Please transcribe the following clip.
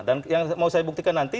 dan yang mau saya buktikan nanti